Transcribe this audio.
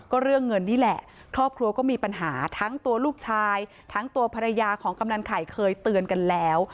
ก็เรื่องเงินนี่แหละครอบครัวก็มีปัญหาทั้งตัวลูกชายทั้งตัวภรรยาของกำนันไข่เคยเตือนกันแล้ว